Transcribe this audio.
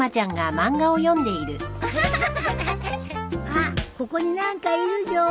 あっここに何かいるじょ。